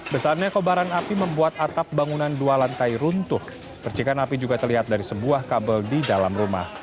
besarnya kobaran api membuat atap bangunan dua lantai runtuh percikan api juga terlihat dari sebuah kabel di dalam rumah